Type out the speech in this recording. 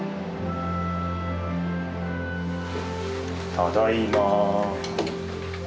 ただいま。